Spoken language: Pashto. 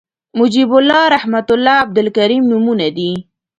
محیب الله رحمت الله عبدالکریم نومونه دي